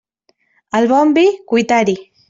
Al bon vi, cuitar-hi.